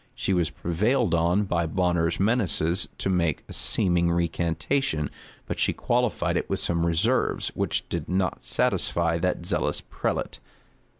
She was prevailed on by Bonner's menaces to make a seeming recantation; but she qualified it with some reserves, which did not satisfy that zealous prelate.